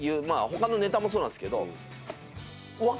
他のネタもそうなんですけど。